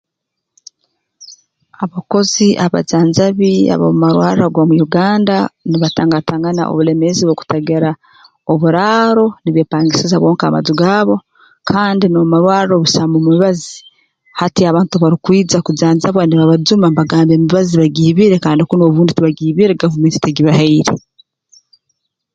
Abakozi abajanjabi ab'omu marwarro g'omu Uganda nibatangatangana obulemeezi bw'okugira oburaaro nibeepangisiza bonka amaju gaabo kandi n'omu marwarro busamu mibazi hati abantu obu barukwija kujanjabwa nibabajuma nibagamba emibazi bagiibire kandi kunu obundi tibagiibire gavumenti tegibahaire